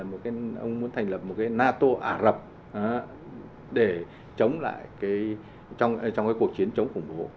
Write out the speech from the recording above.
ông muốn thành lập một cái nato ả rập để chống lại trong cái cuộc chiến chống khủng bố